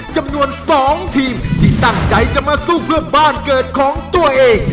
จำนวน๒ทีมที่ตั้งใจจะมาสู้เพื่อบ้านเกิดของตัวเอง